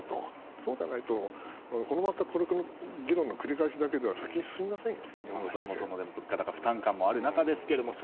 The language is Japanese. そうでないとこの議論の繰り返しだけでは先に進みませんよ。